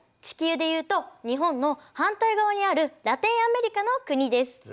地球でいうと日本の反対側にあるラテンアメリカの国です。